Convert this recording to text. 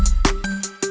gak ada yang nungguin